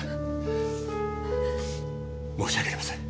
申し訳ありません。